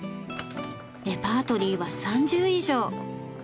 レパートリーは３０以上。